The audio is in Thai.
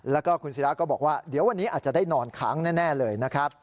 แล้วก็คุณศิราก็บอกว่าเดี๋ยววันนี้อาจจะได้นอนค้างแน่เลยนะครับ